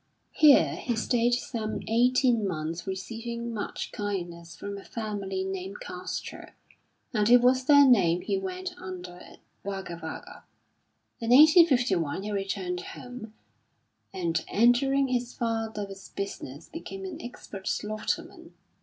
Here he stayed some eighteen months receiving much kindness from a family named Castro, and it was their name he went under at Wagga Wagga. In 1851 he returned home and entering his father's business became an expert slaughterman.